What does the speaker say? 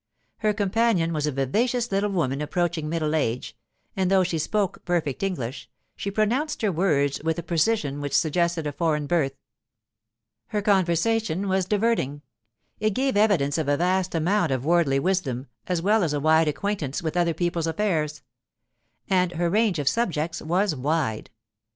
Her companion was a vivacious little woman approaching middle age; and though she spoke perfect English, she pronounced her words with a precision which suggested a foreign birth. Her conversation was diverting; it gave evidence of a vast amount of worldly wisdom as well as a wide acquaintance with other people's affairs. And her range of subjects was wide.